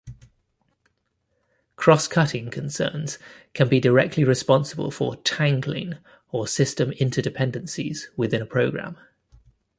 Cross-cutting concerns can be directly responsible for "tangling", or system inter-dependencies, within a program.